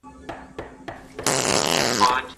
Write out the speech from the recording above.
که پانګونه ونسي، صنعت به له منځه ولاړ سي.